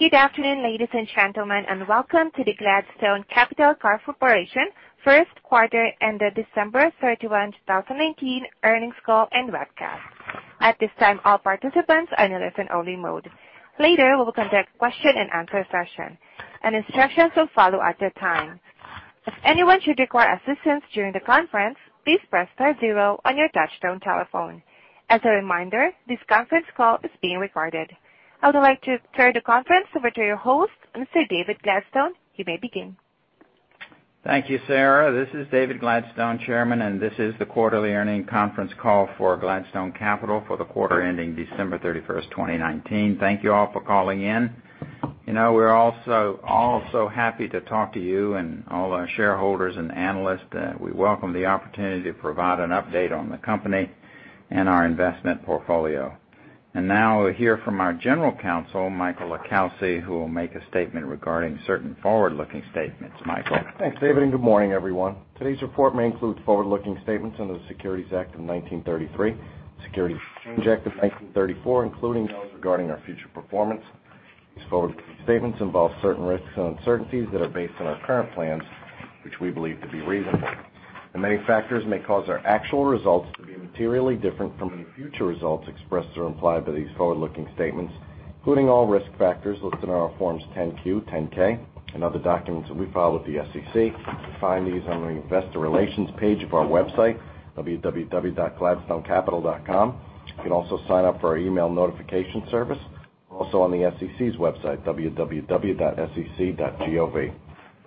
Good afternoon, ladies and gentlemen, and welcome to the Gladstone Capital Corporation first quarter ended December 31, 2019 earnings call and webcast. At this time, all participants are in listen-only mode. Later, we will conduct a question and answer session, and instructions will follow at that time. If anyone should require assistance during the conference, please press five zero on your touchtone telephone. As a reminder, this conference call is being recorded. I would like to turn the conference over to your host, Mr. David Gladstone. You may begin. Thank you, Sarah. This is David Gladstone, Chairman, and this is the quarterly earnings conference call for Gladstone Capital for the quarter ending December 31st, 2019. Thank you all for calling in. We're all so happy to talk to you and all our shareholders and analysts. We welcome the opportunity to provide an update on the company and our investment portfolio. Now we'll hear from our General Counsel, Michael LiCalsi, who will make a statement regarding certain forward-looking statements. Michael? Thanks, David. Good morning, everyone. Today's report may include forward-looking statements under the Securities Act of 1933, the Securities Exchange Act of 1934, including those regarding our future performance. These forward-looking statements involve certain risks and uncertainties that are based on our current plans, which we believe to be reasonable. Many factors may cause our actual results to be materially different from any future results expressed or implied by these forward-looking statements, including all risk factors listed on our Forms 10-Q, 10-K, and other documents that we file with the SEC. You can find these on the investor relations page of our website, www.gladstonecapital.com. You can also sign up for our email notification service, also on the SEC's website, www.sec.gov.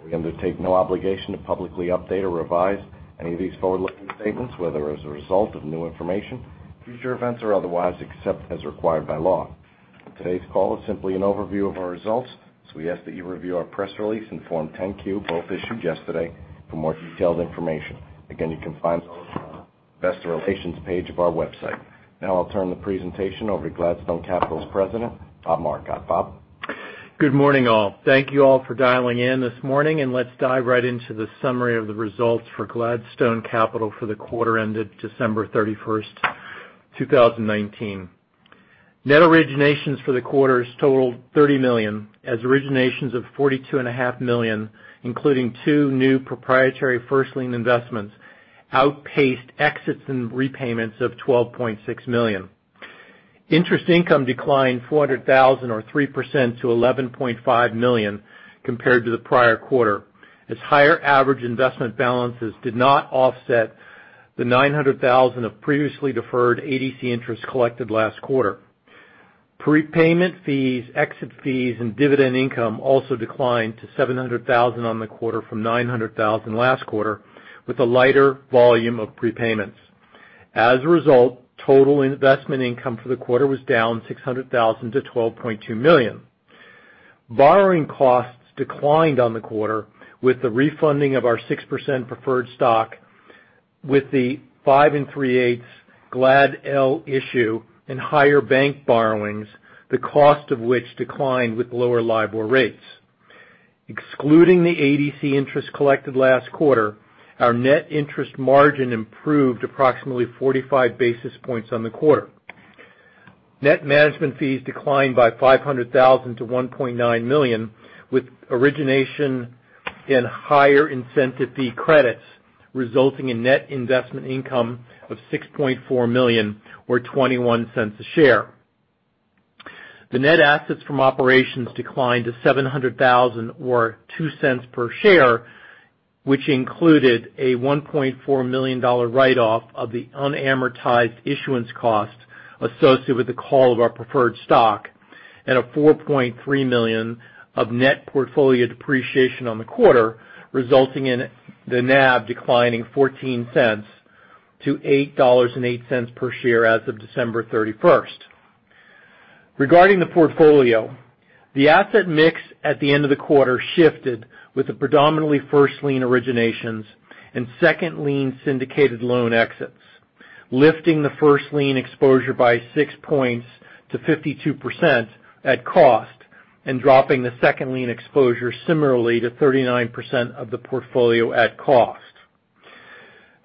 We undertake no obligation to publicly update or revise any of these forward-looking statements, whether as a result of new information, future events, or otherwise, except as required by law. Today's call is simply an overview of our results, so we ask that you review our press release and Form 10-Q, both issued yesterday, for more detailed information. Again, you can find those on the investor relations page of our website. Now I'll turn the presentation over to Gladstone Capital's President, Bob Marcotte. Bob? Good morning, all. Thank you all for dialing in this morning, Let's dive right into the summary of the results for Gladstone Capital for the quarter ended December 31st, 2019. Net originations for the quarter totaled $30 million, as originations of $42.5 million, including two new proprietary first-lien investments, outpaced exits and repayments of $12.6 million. Interest income declined $400,000, or 3%, to $11.5 million compared to the prior quarter, as higher average investment balances did not offset the $900,000 of previously deferred ADC interest collected last quarter. Prepayment fees, exit fees, and dividend income also declined to $700,000 on the quarter from $900,000 last quarter with a lighter volume of prepayments. As a result, total investment income for the quarter was down $600,000 to $12.2 million. Borrowing costs declined on the quarter with the refunding of our 6% preferred stock with the 5.375% GladL issue and higher bank borrowings, the cost of which declined with lower LIBOR rates. Excluding the ADC interest collected last quarter, our net interest margin improved approximately 45 basis points on the quarter. Net management fees declined by $500,000 to $1.9 million, with origination and higher incentive fee credits resulting in net investment income of $6.4 million or $0.21 a share. The net assets from operations declined to $700,000 or $0.02 per share, which included a $1.4 million write-off of the unamortized issuance cost associated with the call of our preferred stock and a $4.3 million of net portfolio depreciation on the quarter, resulting in the NAV declining $0.14-$8.08 per share as of December 31st. Regarding the portfolio, the asset mix at the end of the quarter shifted with the predominantly first lien originations and second lien syndicated loan exits, lifting the first lien exposure by six points to 52% at cost and dropping the second lien exposure similarly to 39% of the portfolio at cost.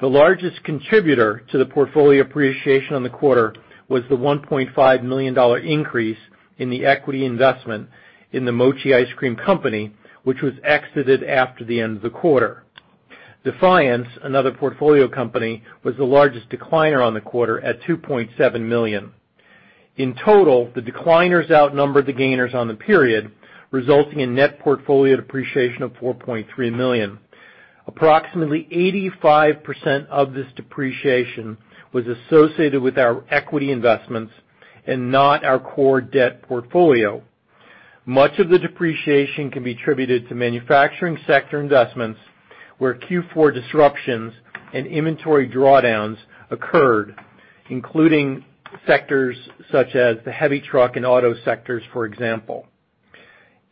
The largest contributor to the portfolio appreciation on the quarter was the $1.5 million increase in the equity investment in The Mochi Ice Cream Company, which was exited after the end of the quarter. Defiance, another portfolio company, was the largest decliner on the quarter at $2.7 million. In total, the decliners outnumbered the gainers on the period, resulting in net portfolio depreciation of $4.3 million. Approximately 85% of this depreciation was associated with our equity investments and not our core debt portfolio. Much of the depreciation can be attributed to manufacturing sector investments, where Q4 disruptions and inventory drawdowns occurred, including sectors such as the heavy truck and auto sectors, for example.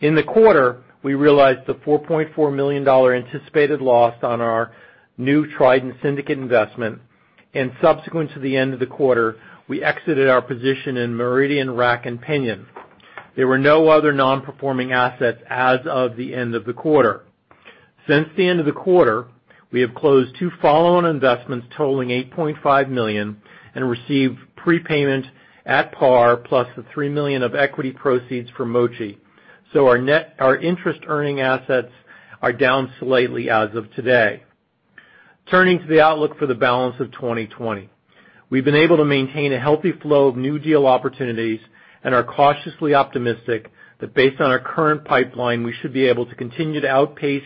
In the quarter, we realized the $4.4 million anticipated loss on our New Trident Syndicate investment, and subsequent to the end of the quarter, we exited our position in Meridian Rack & Pinion. There were no other non-performing assets as of the end of the quarter. Since the end of the quarter, we have closed two follow-on investments totaling $8.5 million and received prepayment at par plus $3 million of equity proceeds from Mochi. Our interest-earning assets are down slightly as of today. Turning to the outlook for the balance of 2020. We've been able to maintain a healthy flow of new deal opportunities and are cautiously optimistic that based on our current pipeline, we should be able to continue to outpace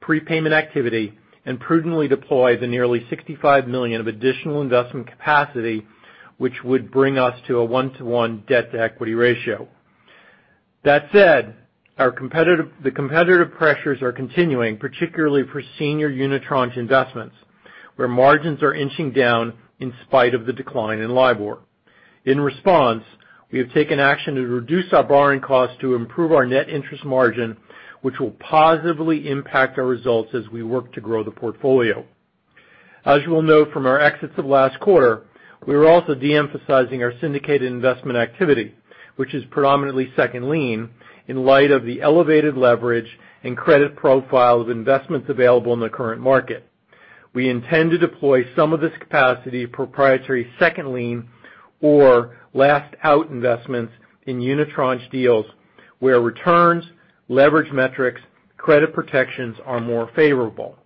prepayment activity and prudently deploy the nearly $65 million of additional investment capacity, which would bring us to a one-to-one debt to equity ratio. That said, the competitive pressures are continuing, particularly for senior unitranche investments, where margins are inching down in spite of the decline in LIBOR. In response, we have taken action to reduce our borrowing costs to improve our net interest margin, which will positively impact our results as we work to grow the portfolio. As you will note from our exits of last quarter, we are also de-emphasizing our syndicated investment activity, which is predominantly second lien, in light of the elevated leverage and credit profile of investments available in the current market. We intend to deploy some of this capacity proprietary second lien or last out investments in unitranche deals where returns, leverage metrics, credit protections are more favorable.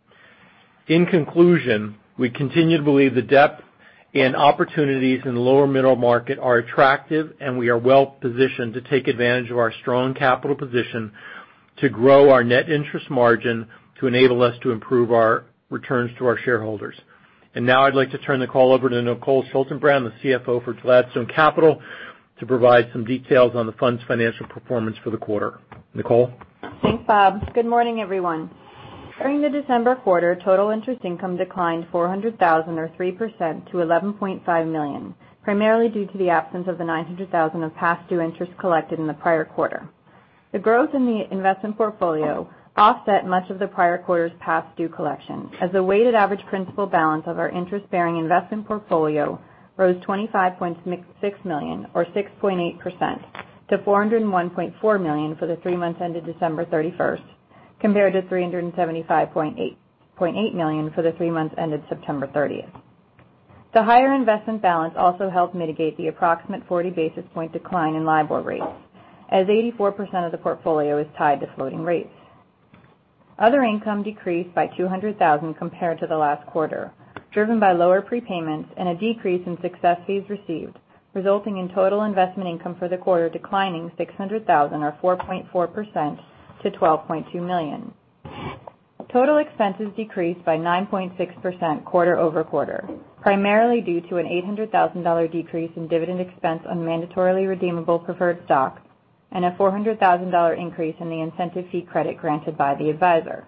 In conclusion, we continue to believe the depth in opportunities in the lower middle market are attractive, and we are well positioned to take advantage of our strong capital position to grow our net interest margin to enable us to improve our returns to our shareholders. Now I'd like to turn the call over to Nicole Schaltenbrand, the CFO for Gladstone Capital, to provide some details on the fund's financial performance for the quarter. Nicole? Thanks, Bob. Good morning, everyone. During the December quarter, total interest income declined $400,000 or 3% to $11.5 million, primarily due to the absence of the $900,000 of past due interest collected in the prior quarter. The growth in the investment portfolio offset much of the prior quarter's past due collection as the weighted average principal balance of our interest-bearing investment portfolio rose $25.6 million or 6.8% to $401.4 million for the three months ended December 31st, compared to $375.8 million for the three months ended September 30th. The higher investment balance also helped mitigate the approximate 40 basis point decline in LIBOR rates, as 84% of the portfolio is tied to floating rates. Other income decreased by $200,000 compared to the last quarter, driven by lower prepayments and a decrease in success fees received, resulting in total investment income for the quarter declining $600,000 or 4.4% to $12.2 million. Total expenses decreased by 9.6% quarter-over-quarter, primarily due to an $800,000 decrease in dividend expense on mandatorily redeemable preferred stock and a $400,000 increase in the incentive fee credit granted by the advisor,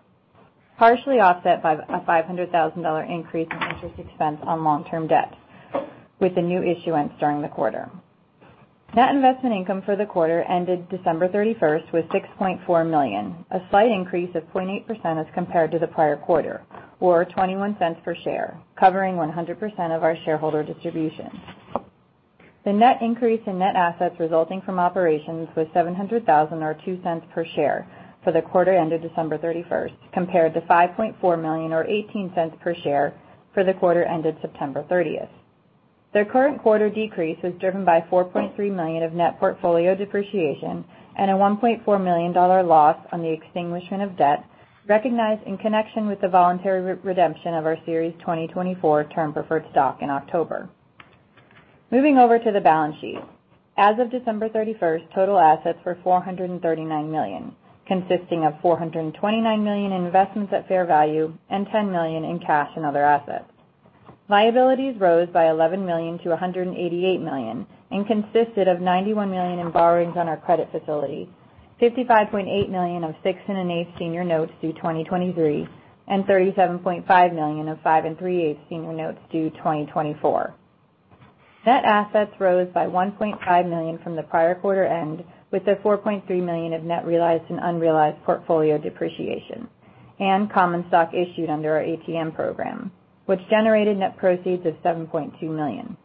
partially offset by a $500,000 increase in interest expense on long-term debt with the new issuance during the quarter. Net investment income for the quarter ended December 31st was $6.4 million, a slight increase of 0.8% as compared to the prior quarter, or $0.21 per share, covering 100% of our shareholder distribution. The net increase in net assets resulting from operations was $700,000 or $0.02 per share for the quarter ended December 31st, compared to $5.4 million or $0.18 per share for the quarter ended September 30th. The current quarter decrease is driven by $4.3 million of net portfolio depreciation and a $1.4 million loss on the extinguishment of debt recognized in connection with the voluntary redemption of our Series 2024 Term Preferred Stock in October. Moving over to the balance sheet. As of December 31st, total assets were $439 million, consisting of $429 million in investments at fair value and $10 million in cash and other assets. Liabilities rose by $11 million- $188 million and consisted of $91 million in borrowings on our credit facility, $55.8 million of 6.875 senior notes due 2023, and $37.5 million of 5.375 senior notes due 2024. Net assets rose by $1.5 million from the prior quarter end with a $4.3 million of net realized and unrealized portfolio depreciation and common stock issued under our ATM program, which generated net proceeds of $7.2 million.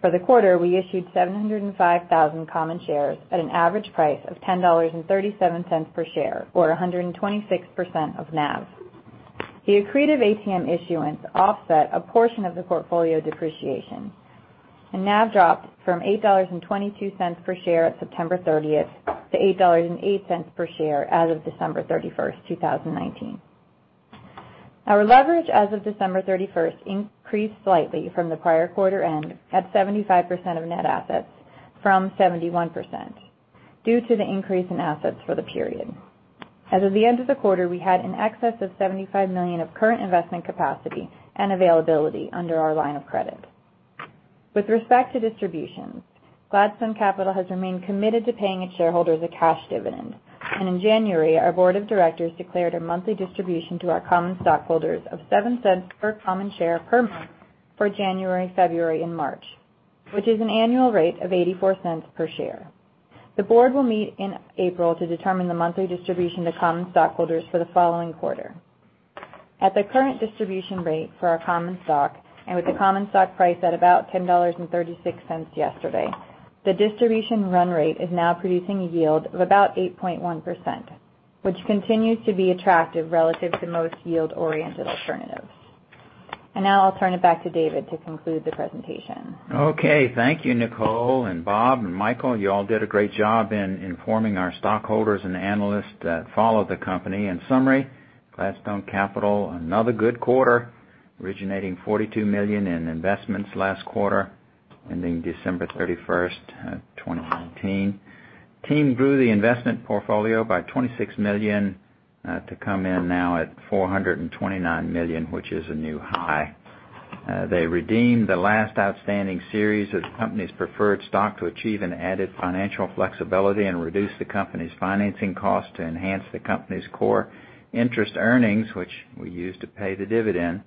For the quarter, we issued 705,000 common shares at an average price of $10.37 per share, or 126% of NAV. The accretive ATM issuance offset a portion of the portfolio depreciation, and NAV dropped from $8.22 per share at September 30th to $8.08 per share as of December 31st, 2019. Our leverage as of December 31st increased slightly from the prior quarter end at 75% of net assets from 71% due to the increase in assets for the period. As of the end of the quarter, we had in excess of $75 million of current investment capacity and availability under our line of credit. With respect to distributions, Gladstone Capital has remained committed to paying its shareholders a cash dividend, and in January, our board of directors declared a monthly distribution to our common stockholders of $0.07 per common share per month for January, February, and March, which is an annual rate of $0.84 per share. The board will meet in April to determine the monthly distribution to common stockholders for the following quarter. At the current distribution rate for our common stock, and with the common stock price at about $10.36 yesterday, the distribution run rate is now producing a yield of about 8.1%, which continues to be attractive relative to most yield-oriented alternatives. Now I'll turn it back to David to conclude the presentation. Okay. Thank you, Nicole and Bob and Michael. You all did a great job in informing our stockholders and analysts that follow the company. In summary, Gladstone Capital, another good quarter, originating $42 million in investments last quarter, ending December 31st, 2019. Team grew the investment portfolio by $26 million to come in now at $429 million, which is a new high. They redeemed the last outstanding series of the company's preferred stock to achieve an added financial flexibility and reduce the company's financing cost to enhance the company's core interest earnings, which we use to pay the dividend.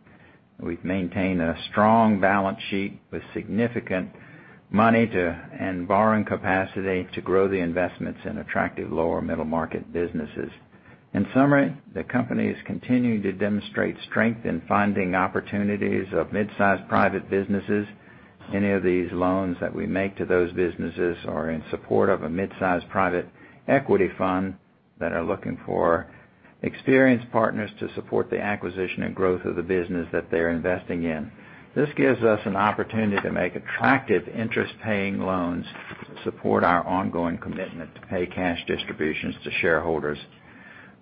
We've maintained a strong balance sheet with significant money and borrowing capacity to grow the investments in attractive lower middle-market businesses. In summary, the company is continuing to demonstrate strength in finding opportunities of mid-sized private businesses. Any of these loans that we make to those businesses are in support of a mid-sized private equity fund that are looking for experienced partners to support the acquisition and growth of the business that they're investing in. This gives us an opportunity to make attractive interest-paying loans to support our ongoing commitment to pay cash distributions to shareholders.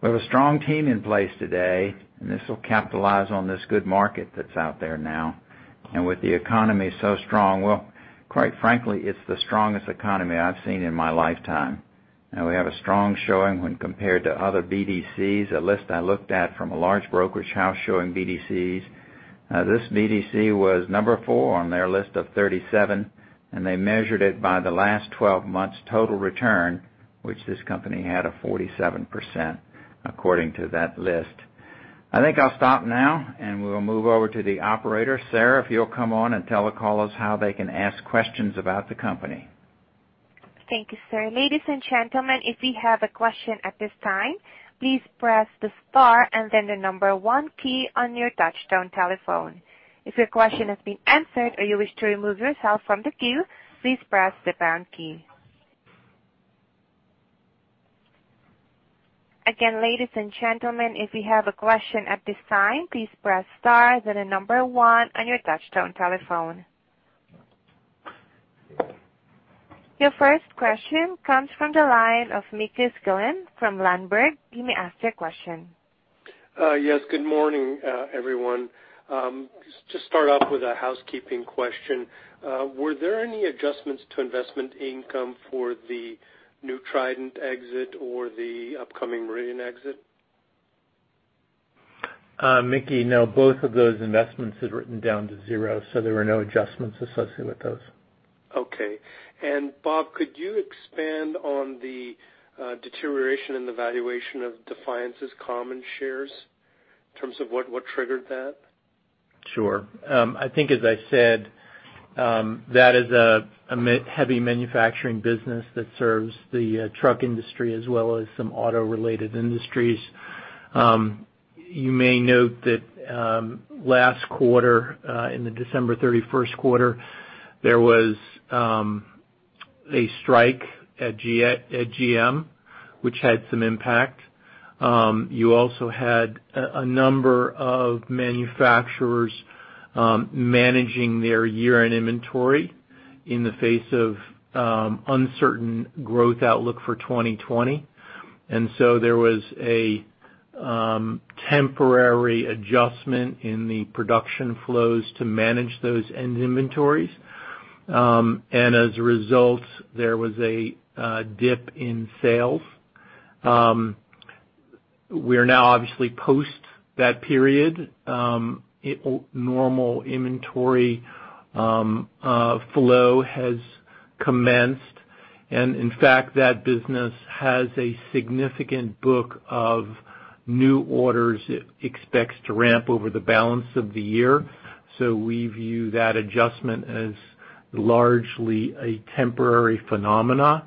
We have a strong team in place today. This will capitalize on this good market that's out there now. With the economy so strong, well, quite frankly, it's the strongest economy I've seen in my lifetime. Now, we have a strong showing when compared to other BDCs, a list I looked at from a large brokerage house showing BDCs. This BDC was number four on their list of 37. They measured it by the last 12 months' total return, which this company had a 47%, according to that list. I think I'll stop now and we'll move over to the operator. Sarah, if you'll come on and tell the callers how they can ask questions about the company. Thank you, sir. Ladies and gentlemen, if you have a question at this time, please press the star and then the one key on your touchtone telephone. If your question has been answered or you wish to remove yourself from the queue, please press the pound key. Again, ladies and gentlemen, if you have a question at this time, please press star, then the one on your touchtone telephone. Your first question comes from the line of Mickey Schlei from Ladenburg. You may ask your question. Yes. Good morning, everyone. Just start off with a housekeeping question. Were there any adjustments to investment income for the New Trident exit or the upcoming Meridian exit? Mickey, no, both of those investments had written down to zero, so there were no adjustments associated with those. Okay. Bob, could you expand on the deterioration in the valuation of Defiance's common shares in terms of what triggered that? Sure. I think as I said, that is a heavy manufacturing business that serves the truck industry as well as some auto-related industries. You may note that last quarter, in the December 31st quarter, there was a strike at GM, which had some impact. You also had a number of manufacturers managing their year-end inventory in the face of uncertain growth outlook for 2020. There was a temporary adjustment in the production flows to manage those end inventories. As a result, there was a dip in sales. We are now obviously post that period. Normal inventory flow has commenced, and in fact, that business has a significant book of new orders it expects to ramp over the balance of the year. We view that adjustment as largely a temporary phenomena,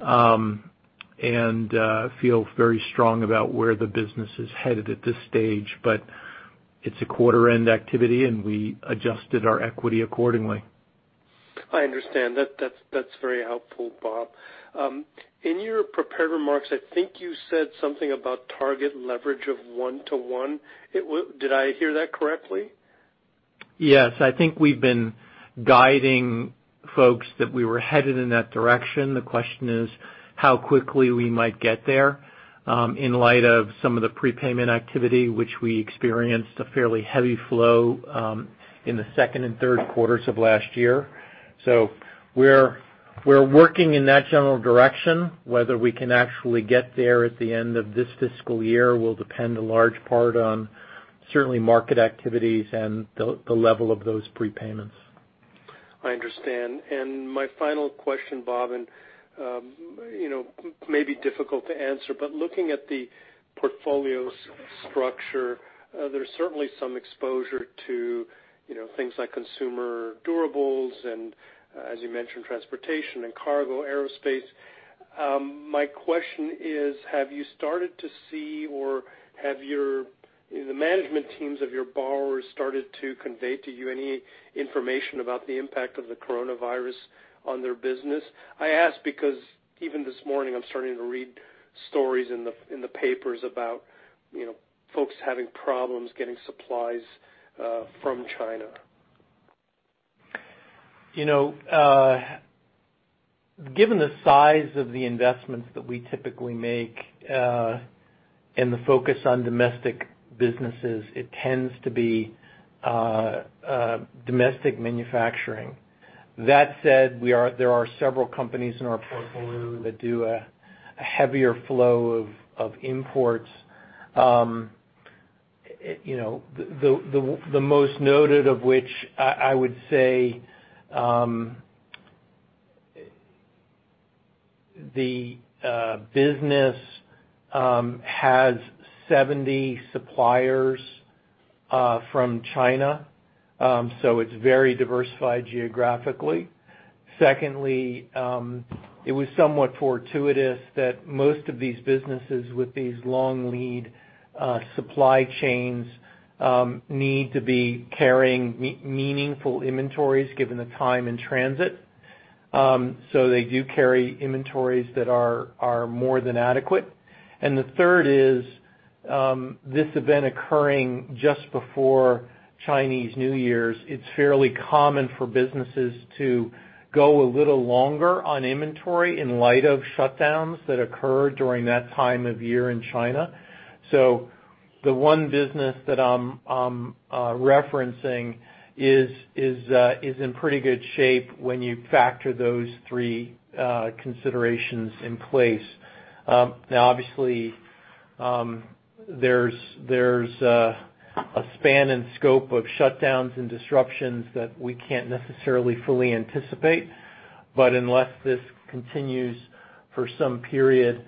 and feel very strong about where the business is headed at this stage. It's a quarter-end activity, and we adjusted our equity accordingly. I understand. That's very helpful, Bob. In your prepared remarks, I think you said something about target leverage of one to one. Did I hear that correctly? Yes. I think we've been guiding folks that we were headed in that direction. The question is how quickly we might get there in light of some of the prepayment activity which we experienced a fairly heavy flow in the second and third quarters of last year. We're working in that general direction. Whether we can actually get there at the end of this fiscal year will depend a large part on certainly market activities and the level of those prepayments. I understand. My final question, Bob, and may be difficult to answer, but looking at the portfolio's structure, there's certainly some exposure to things like consumer durables and, as you mentioned, transportation and cargo, aerospace. My question is, have you started to see, or have the management teams of your borrowers started to convey to you any information about the impact of the coronavirus on their business? I ask because even this morning, I'm starting to read stories in the papers about folks having problems getting supplies from China. Given the size of the investments that we typically make and the focus on domestic businesses, it tends to be domestic manufacturing. That said, there are several companies in our portfolio that do a heavier flow of imports. The most noted of which I would say, the business has 70 suppliers from China. It's very diversified geographically. Secondly, it was somewhat fortuitous that most of these businesses with these long lead supply chains need to be carrying meaningful inventories given the time in transit. They do carry inventories that are more than adequate. The third is, this event occurring just before Chinese New Year. It's fairly common for businesses to go a little longer on inventory in light of shutdowns that occur during that time of year in China. The one business that I'm referencing is in pretty good shape when you factor those three considerations in place. Now, obviously, there's a span and scope of shutdowns and disruptions that we can't necessarily fully anticipate. Unless this continues for some period,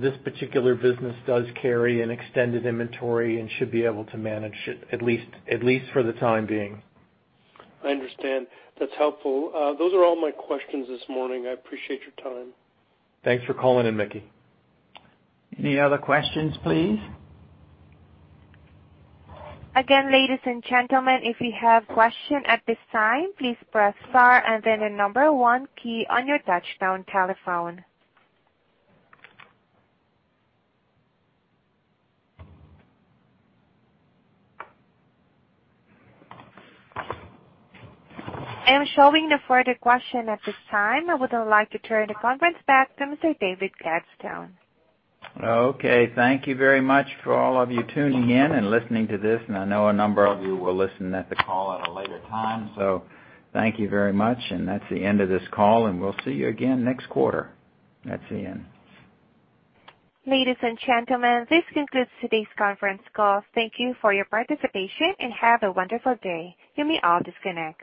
this particular business does carry an extended inventory and should be able to manage it, at least for the time being. I understand. That's helpful. Those are all my questions this morning. I appreciate your time. Thanks for calling in, Mickey. Any other questions, please? Again, ladies and gentlemen, if you have questions at this time, please press star and then the number one key on your touch-tone telephone. I am showing no further questions at this time. I would like to turn the conference back to Mr. David Gladstone. Okay. Thank you very much for all of you tuning in and listening to this. I know a number of you will listen at the call at a later time. Thank you very much. That's the end of this call. We'll see you again next quarter. That's the end. Ladies and gentlemen, this concludes today's conference call. Thank you for your participation, and have a wonderful day. You may all disconnect.